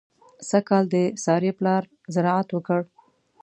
سږ کال د سارې پلار زراعت وکړ.